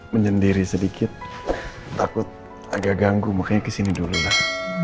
menyendiri sedikit takut agak ganggu makanya kesini dulu lah